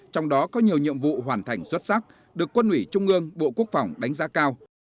trong đó có nhiều nhiệm vụ hoàn thành xuất sắc được quân ủy trung ương bộ quốc phòng đánh giá cao